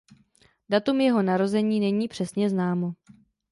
Datum jeho narození není přesně známo.